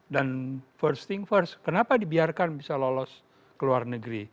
dan first thing first kenapa dibiarkan bisa lolos ke luar negeri